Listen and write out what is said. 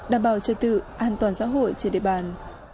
đảm bảo trật tự an toàn xã hội trên địa bàn